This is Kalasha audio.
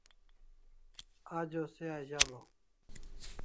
Ajo se azalaw